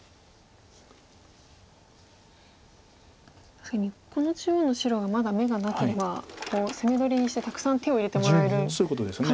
確かにこの中央の白がまだ眼がなければ攻め取りにしてたくさん手を入れてもらえる可能性もあるんですね。